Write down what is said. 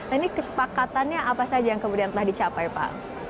ini kesepakatannya apa saja yang kemudian telah dicapai pak